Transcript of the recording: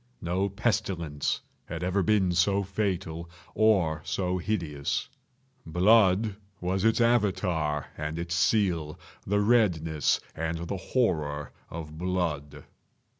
No pestilence had ever been so fatal, or so hideous. Blood was its Avatar and its seal—the redness and the horror of blood.